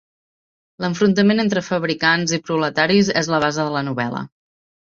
L'enfrontament entre fabricants i proletaris és la base de la novel·la.